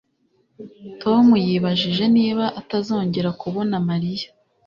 Tom yibajije niba atazongera kubona Mariya